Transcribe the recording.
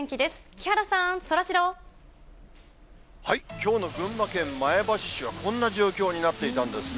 きょうの群馬県前橋市は、こんな状況になっていたんですね。